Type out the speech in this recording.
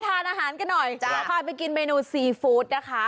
ทานอาหารกันหน่อยเดี๋ยวพาไปกินเมนูซีฟู้ดนะคะ